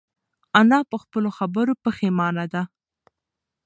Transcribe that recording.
انا په خپلو خبرو پښېمانه ده.